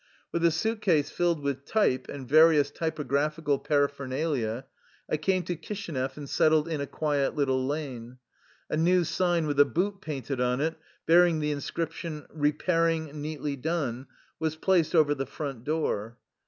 With a suit case filled with type and various typographical paraphernalia, I came to Kishi nev and settled in a quiet little lane. A new sign with a boot painted on it, bearing the in scription " Repairing neatly done,'' was placed over the front door.